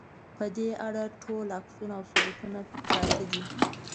په دې اړه ټول عکسونه او ثبوتونه پراته دي.